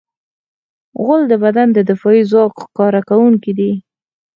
غول د بدن د دفاعي ځواک ښکاره کوونکی دی.